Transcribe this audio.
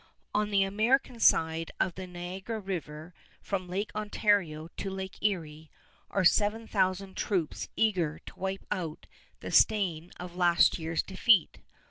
On the American side of the Niagara River, from Lake Ontario to Lake Erie, are seven thousand troops eager to wipe out the stain of last year's defeat.